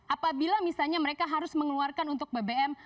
apabila misalnya mereka harus mengeluarkan untuk bbm